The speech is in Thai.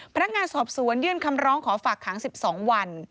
พนักงานสอบสวนยื่นคำร้องขอฝากขัง๑๒วัน